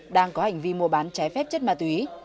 đang có hành vi mua bán trái phép chất ma túy